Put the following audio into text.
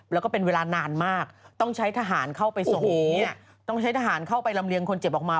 แล้วก็เป็นเวลานานมากต้องใช้ทหารเข้าไปส่งเนี่ยต้องใช้ทหารเข้าไปลำเลียงคนเจ็บออกมา